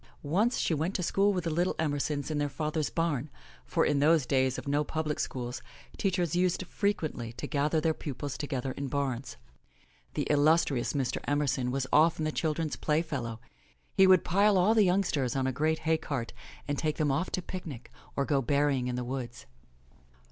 Once she went to school with the little Emersons in their father's barn, for in those days of no public schools, teachers used frequently to gather their pupils together in bams. The illustrious Mr. Emerson was often the children's playfellow. He would pile all the youngsters on a great hay cart and take them off to picnic or go berrying in the woods.